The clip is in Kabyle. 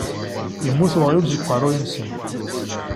Yemmut weɣyul seg uqeṛṛuy-nsen.